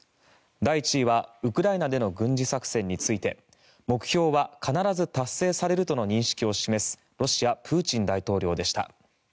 第１位はウクライナでの軍事作戦について目標は必ず達成されるとの認識を示すロシア、プーチン大統領でした。